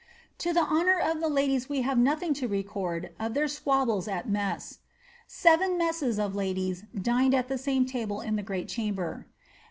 To the honour of the ladies we have nothing to record of iheir squabbles at mess. ^ Seven messes of ladies dined at the same table in the great chamber.